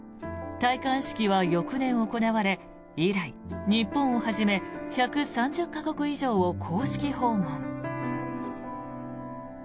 戴冠式は翌年行われ以来、日本をはじめ１３０か国以上を公式訪問。